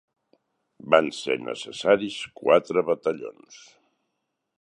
Van ser necessaris quatre batallons.